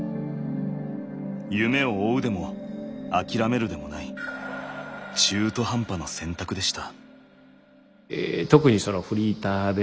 夢を追うでも諦めるでもない中途半端な選択でした。